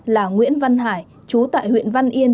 là nguyễn văn hải chú tại huyện văn yên